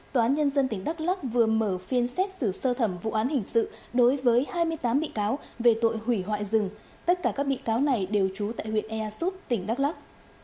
tòa án nhân dân tỉnh đắk lắc vừa mở phiên xét xử sơ thẩm vụ án hình sự đối với hai mươi tám bị cáo về tội hủy hoại rừng tất cả các bị cáo này đều trú tại huyện ea súp tỉnh đắk lắc